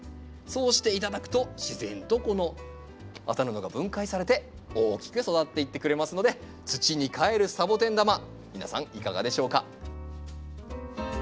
そうして頂くと自然とこの麻布が分解されて大きく育っていってくれますので土に還るサボテン玉皆さんいかがでしょうか？